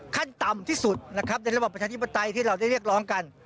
ขั้นต่ำที่สุดนะครับในระบอบประชาธิปไตยที่เราได้เรียกร้องกัน